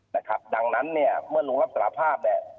นะครับดังนั้นเนี่ยเมื่อลุงรับสารภาพเนี่ย